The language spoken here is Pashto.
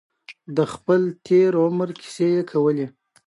د خپل تېر عمر کیسې یې کولې.